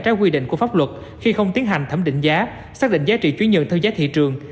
trái quy định của pháp luật khi không tiến hành thẩm định giá xác định giá trị chứng nhận theo giá thị trường